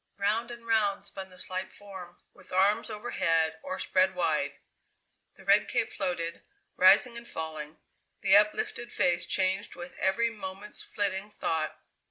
Round and round spun the slight form, with arms over head or spread wide. The red cape floated, rising and falling; the uplifted face changed with every moment's flitting thought.